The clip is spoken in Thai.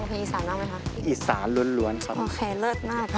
ฟังพี่อิสาลน่ะไหมครับอิสาลล้วนครับโอเคเลิศมาก